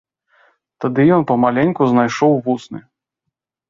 Тады ён памаленьку знайшоў вусны.